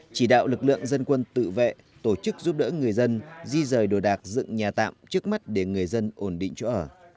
chỉ đạo lực lượng dân quân tự vệ tổ chức giúp đỡ người dân di rời đồ đạc dựng nhà tạm trước mắt để người dân ổn định chỗ ở